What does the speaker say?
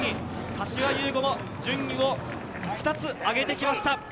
柏優吾も順位を２つ上げました。